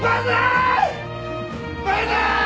バンザーイ！